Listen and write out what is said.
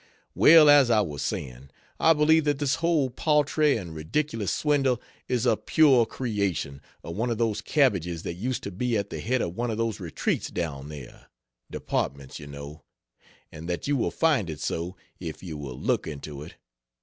Well, as I was saying, I believe that this whole paltry and ridiculous swindle is a pure creation of one of those cabbages that used to be at the head of one of those Retreats down there Departments, you know and that you will find it so, if you will look into it.